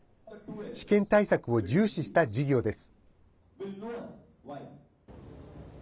試験対策を重視した授業です。